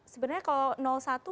sebenarnya kalau satu